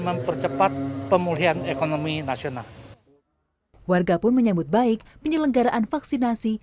mempercepat pemulihan ekonomi nasional warga pun menyambut baik penyelenggaraan vaksinasi